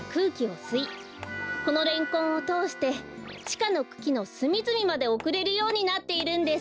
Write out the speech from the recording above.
このレンコンをとおしてちかのくきのすみずみまでおくれるようになっているんです。